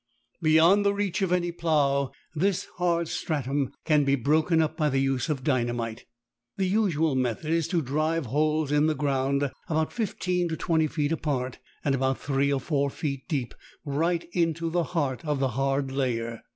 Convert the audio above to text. Beyond the reach of any plough, this hard stratum can be broken up by the use of dynamite. The usual method is to drive holes in the ground about fifteen to twenty feet apart and about three or four feet deep, right into the heart of the hard layer.